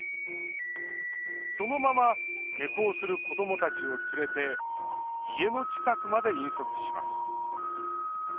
そのまま下校する子どもたちを連れて家の近くまで引率します。